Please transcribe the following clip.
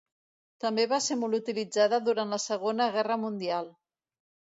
També va ser molt utilitzada durant la Segona Guerra Mundial.